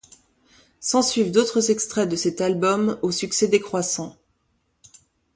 S'ensuivent d'autres extraits de cet album, aux succès décroissants.